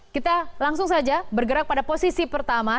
kita langsung saja bergerak pada posisi pertama